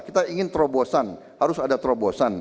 kita ingin terobosan harus ada terobosan